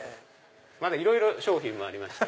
いろいろ商品もありまして。